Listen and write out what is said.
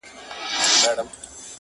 o او خبري نه ختمېږي هېڅکله,